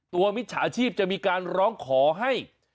มิจฉาชีพจะมีการร้องขอให้